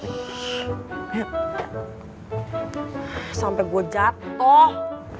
sampai gue jatuh